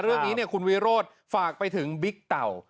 เรื่องนี้คุณวิโรธฝากไปถึงบิ๊กเต่า